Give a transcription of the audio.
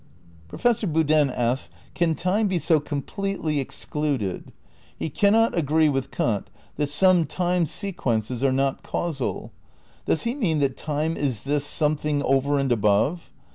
^ Professor Boodin asks : "Can time be so completely excluded?" ... He "cannot agree with Kant that some time sequences are not causal." Does he mean that time is this something over and above?